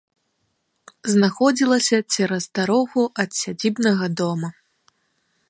Знаходзілася цераз дарогу ад сядзібнага дома.